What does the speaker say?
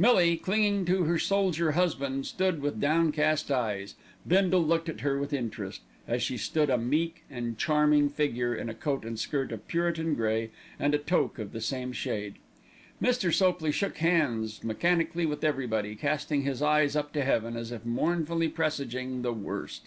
Millie, clinging to her soldier husband, stood with downcast eyes. Bindle looked at her with interest, as she stood a meek and charming figure in a coat and skirt of puritan grey, with a toque of the same shade. Mr. Sopley shook hands mechanically with everybody, casting his eyes up to heaven as if mournfully presaging the worst.